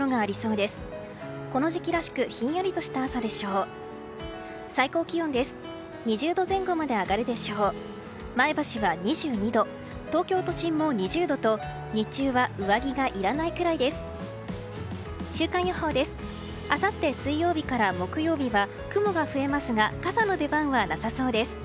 あさって水曜日から木曜日は雲が増えますが傘の出番はなさそうです。